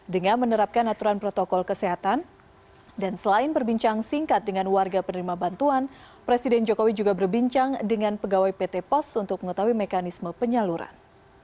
dengan menerapkan aturan protokol kesehatan dan selain berbincang singkat dengan warga penerima bantuan presiden jokowi juga berbincang dengan pegawai pt pos untuk mengetahui mekanisme penyaluran